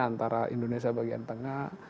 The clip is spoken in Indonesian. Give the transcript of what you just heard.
antara indonesia bagian tengah